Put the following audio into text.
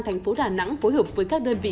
thành phố đà nẵng phối hợp với các đơn vị